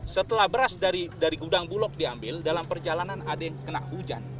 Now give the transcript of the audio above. setelah beras dari gudang bulog diambil dalam perjalanan ada yang kena hujan